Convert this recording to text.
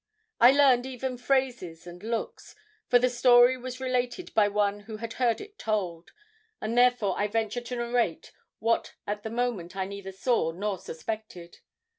I learned even phrases and looks for the story was related by one who had heard it told and therefore I venture to narrate what at the moment I neither saw nor suspected.